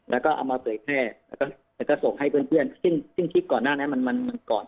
แล้วก็เอามาเผยแพร่แล้วก็ส่งให้เพื่อนซึ่งคลิปก่อนหน้านั้นมันมันก่อน